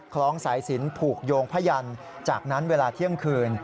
ล้องสายสินผูกโยงพยันจากนั้นเวลาเที่ยงคืน